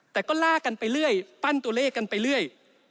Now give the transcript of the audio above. แต่ก็ลากกันไปเรื่อยปั้นตัวเลขกันไปเรื่อย